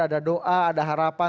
ada doa ada harapan